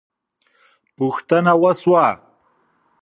پوښتنه وسوه.